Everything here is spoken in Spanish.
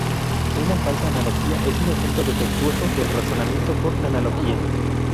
Una falsa analogía es un ejemplo defectuoso del razonamiento por analogía.